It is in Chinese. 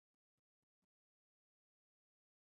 大穆尔默隆人口变化图示